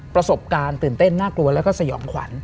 ประสบการณ์ตื่นเต้นน่ากลัวแล้วก็สยองขวัญ